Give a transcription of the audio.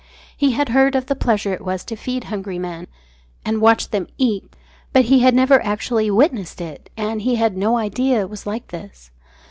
He had heard of the pleasure it was to feed hungry men, and watch them eat, but he had never actually witnessed it, and he had no idea it was like this.